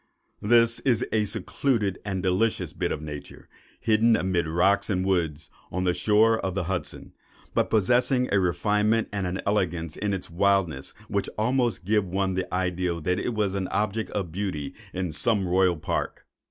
This is a secluded and delicious bit of nature, hidden amid rocks and woods, on the shore of the Hudson, but possessing a refinement and an elegance in its wildness which would almost give one the idea that it was an object of beauty in some royal park.